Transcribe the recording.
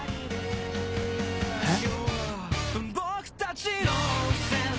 えっ？